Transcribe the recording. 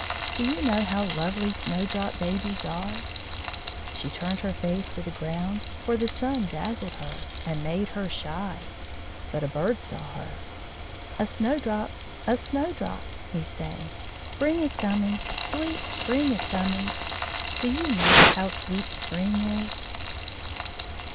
Do you know how lovely Snowdrop Babies are? She turned her face to the ground, for the sun dazzled her, and made her shy; but a bird saw her. "A Snowdrop! A Snowdrop!" he sang. "Spring is coming, sweet spring is coming!" Do you know how sweet spring is?